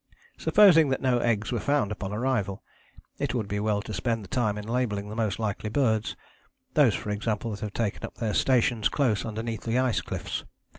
Supposing that no eggs were found upon arrival, it would be well to spend the time in labelling the most likely birds, those for example that have taken up their stations close underneath the ice cliffs.